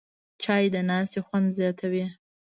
چای د ناستې خوند زیاتوي